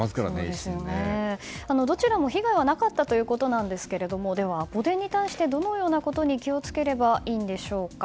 どちらも被害はなかったということですがではアポ電に対してどのようなことに気を付ければいいのでしょうか。